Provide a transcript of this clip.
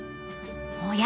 おや？